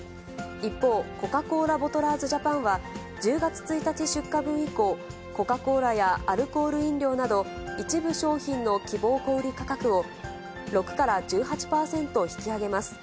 一方、コカ・コーラボトラーズジャパンは、１０月１日出荷分以降、コカ・コーラやアルコール飲料など、一部商品の希望小売り価格を、６から１８％引き上げます。